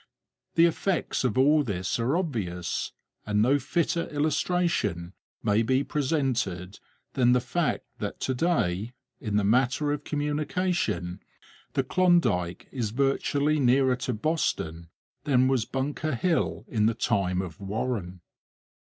The effects of all this are obvious, and no fitter illustration may be presented than the fact that to day, in the matter of communication, the Klondike is virtually nearer to Boston than was Bunker Hill in the time of Warren.